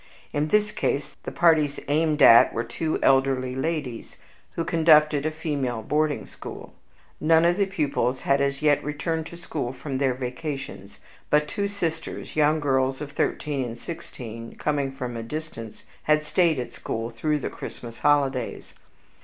In this case the parties aimed at were two elderly ladies, who conducted a female boarding school. None of the pupils had as yet returned to school from their vacation; but two sisters, young girls of thirteen and sixteen, coming from a distance, had stayed at school throughout the Christmas holidays.